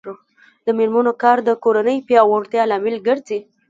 د میرمنو کار د کورنۍ پیاوړتیا لامل ګرځي.